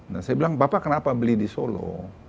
nah saya bilang bapak kenapa beli di solo